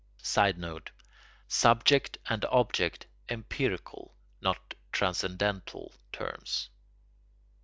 [Sidenote: Subject and object empirical, not transcendental, terms.